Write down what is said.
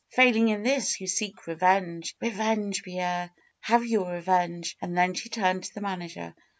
Failing in this, you seek revenge ! Eevenge, Pierre ! Have your re venge 1" And then she turned to the manager.